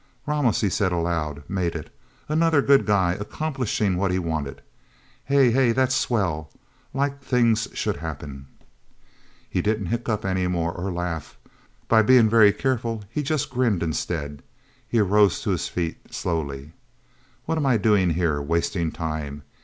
"Ramos," he said aloud. "Made it... Another good guy, accomplishing what he wanted... Hey...! Hey, that's swell... Like things should happen." He didn't hiccup anymore, or laugh. By being very careful, he just grinned, instead. He arose to his feet, slowly. "What am I doing here wasting time?"